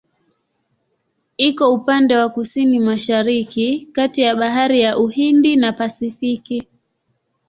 Iko upande wa Kusini-Mashariki kati ya Bahari ya Uhindi na Pasifiki.